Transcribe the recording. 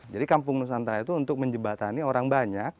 jadi kampung nusantara itu untuk menjebatani orang banyak